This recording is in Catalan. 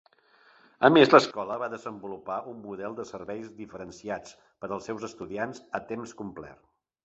A més, l'escola va desenvolupar un model de serveis diferenciats per als seus estudiants a temps complet.